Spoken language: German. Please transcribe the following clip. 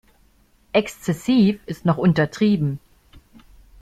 Exzessiv ist noch untertrieben.